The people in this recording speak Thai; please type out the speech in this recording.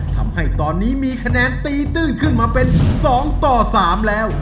ทำให้ตอนนี้มีคะแนนตีตื้นขึ้นมาเป็น๒ต่อ๓แล้ว